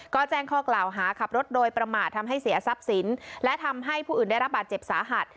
ก็แจ้งข้อกล่าวหาขับรถโดยประมาททำให้เสียทรัพย์สินและทำให้ผู้อื่นได้รับบาดเจ็บสาหัส